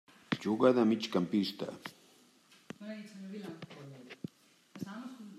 Juga de migcampista.